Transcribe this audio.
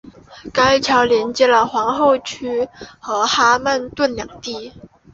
该桥连接了皇后区和曼哈顿两地。